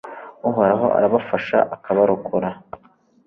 uhoraho arabafasha, akabarokora